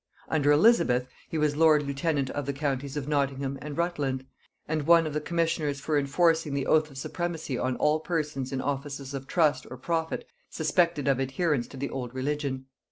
Under Elizabeth he was lord lieutenant of the counties of Nottingham and Rutland, and one of the commissioners for enforcing the oath of supremacy on all persons in offices of trust or profit suspected of adherence to the old religion.